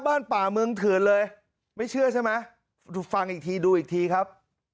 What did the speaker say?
บ้านป่าเมืองเถื่อนเลยไม่เชื่อใช่ไหมฟังอีกทีดูอีกทีครับ